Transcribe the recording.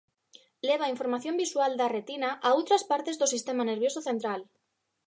Leva información visual da retina a outras partes do sistema nervioso central.